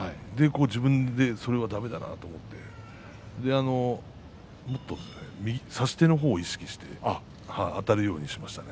自分でそれはだめだなと思ってもっと差し手の方を意識してあたるようにしました。